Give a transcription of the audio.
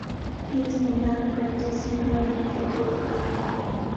He is a non-practising Roman Catholic.